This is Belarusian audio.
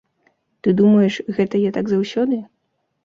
Ты думаеш, гэта я так заўсёды?